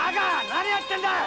何やってんだ。